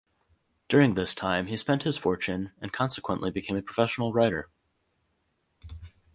During this time he spent his fortune and consequently became a professional writer.